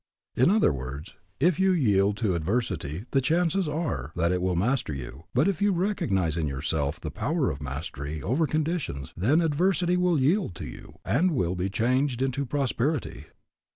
In other words, if you yield to adversity the chances are that it will master you, but if you recognize in yourself the power of mastery over conditions then adversity will yield to you, and will be changed into prosperity.